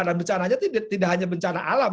dan bencana nya tidak hanya bencana alam